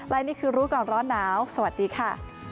และนี่คือรู้ก่อนร้อนหนาวสวัสดีค่ะ